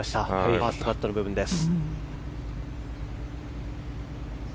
ファーストカットの部分です。